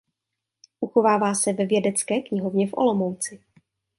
Uchovává se ve Vědecké knihovně v Olomouci.